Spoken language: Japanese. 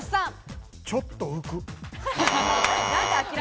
ちょっと浮く。